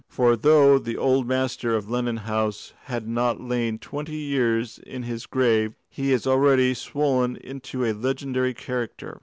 For though the old master of Lennon House has not lain twenty years in his grave, he is already swollen into a legendary character.